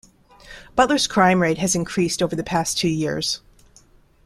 Butler's crime rate has increased over the past two years.